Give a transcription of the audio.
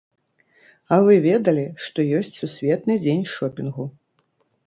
А вы ведалі, што ёсць сусветны дзень шопінгу?